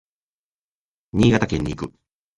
新潟県に行く。